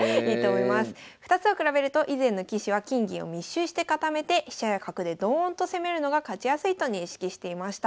２つを比べると以前の棋士は金銀を密集して固めて飛車や角でドーンと攻めるのが勝ちやすいと認識していました。